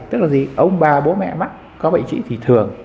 tức là gì ông bà bố mẹ mắc có bệnh trị thì thường